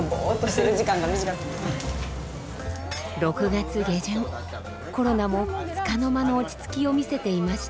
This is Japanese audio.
６月下旬コロナもつかの間の落ち着きを見せていました。